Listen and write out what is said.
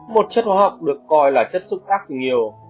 một chất hoa học được coi là chất xúc tác tình yêu